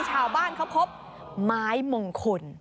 ชาวบ้านเขาพบไม้มงคล